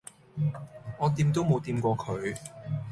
我掂都冇掂過佢